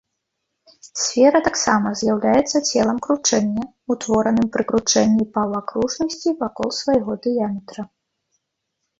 Сфера таксама з'яўляецца целам кручэння, утвораным пры кручэнні паўакружнасці вакол свайго дыяметра.